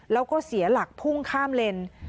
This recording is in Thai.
แล้วก็เสียหลักพุ่งข้ามเลน